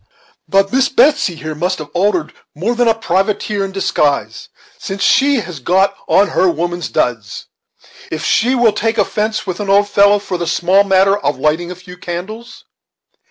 But Miss Betsey here must have altered more than a privateer in disguise, since she has got on her woman's duds, if she will take offence with an old fellow for the small matter of lighting a few candles."